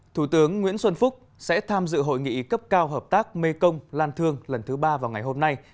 thủ tướng nguyễn xuân phúc sẽ tham dự hội nghị cấp cao hợp tác mekong lan thương lần thứ ba vào ngày hôm nay